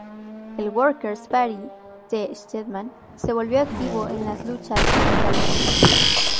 El Workers Party de Shachtman se volvió activo en las luchas sindicales.